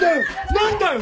何だよ！？